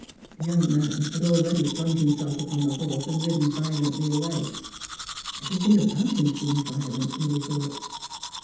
The young man had already flung himself upon the horse and ridden violently away. Everything about him seemed violent, Milly thought.